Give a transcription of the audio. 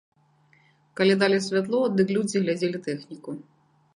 Калі далі святло, дык людзі глядзелі тэхніку.